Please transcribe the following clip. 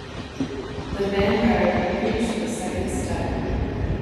The vanguard had reached the second step.